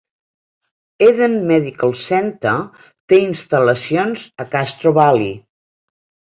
Eden Medical Center té instal·lacions a Castro Valley.